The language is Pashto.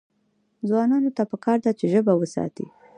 ځوانانو ته پکار ده چې، ژبه وساتي.